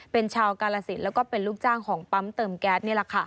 เป็นชาวการละศิลป์และเป็นลูกจ้างของปั๊มเติมแก๊ส